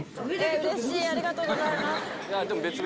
うれしい、ありがとうございます。